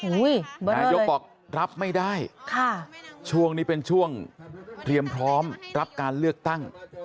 นายกบอกรับไม่ได้ช่วงนี้เป็นช่วงเตรียมพร้อมรับการเลือกตั้ง